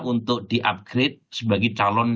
untuk di upgrade sebagai calon